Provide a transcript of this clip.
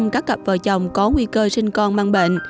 một một các cặp vợ chồng có nguy cơ sinh con mang bệnh